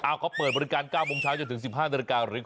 เขาเปิดบริการ๙โมงเช้าจนถึง๑๕นาฬิกาหรือ